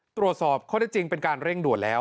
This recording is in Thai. ตรวจสอบข้อได้จริงเป็นการเร่งด่วนแล้ว